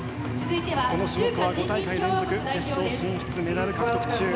この種目は５大会連続決勝進出しメダル獲得中。